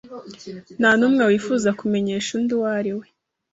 ntanumwe wifuza kumenyesha undi uwo ari we